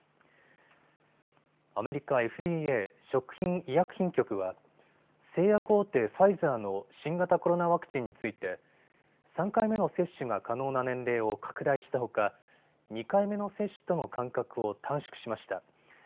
アメリカＦＤＡ・食品医薬品局は製薬大手、ファイザーの新型コロナワクチンについて３回目の接種が可能な年齢を拡大したほか２回目の接種との間隔を短縮しました。